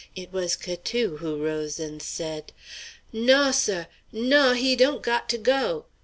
It was Catou who rose and said: "Naw, sah. Naw; he don't got to go!"